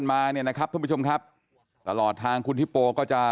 ไม่ใช่เพราะว่าโมเป็นดาราเขารัก